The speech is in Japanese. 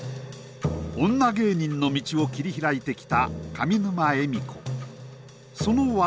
女芸人の道を切り開いてきた上沼恵美子。